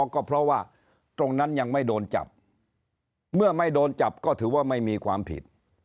ก็เพราะว่าตรงนั้นยังไม่โดนจับเมื่อไม่โดนจับก็ถือว่าไม่มีความผิด